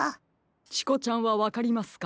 チコちゃんはわかりますか？